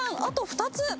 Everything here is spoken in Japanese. あと２つ！